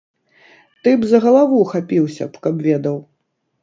Ты б за галаву хапіўся б, каб ведаў.